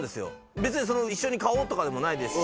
別に一緒に買おうとかでもないですし。